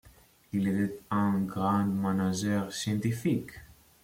Il était un grand manager scientifique.